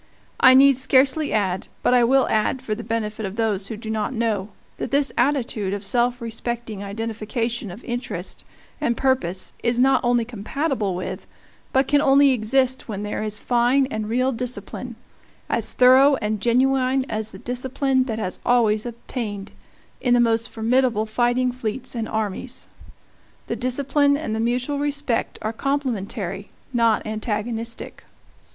I need scarcely add, but I will add for the benefit of those who do not know, that this attitude of self respecting identification of interest and purpose is not only compatible with but can only exist when there is fine and real discipline, as thorough and genuine as the discipline that has always obtained in the most formidable fighting fleets and armies. The discipline and the mutual respect are complementary, not antagonistic.